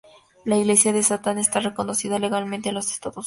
La Iglesia de Satán está reconocida legalmente en los Estados Unidos.